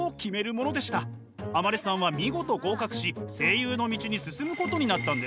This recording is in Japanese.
天希さんは見事合格し声優の道に進むことになったんです。